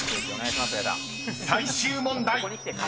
［最終問題］